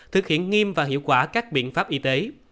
thực hiện nghiêm và hiệu quả các biện pháp y tế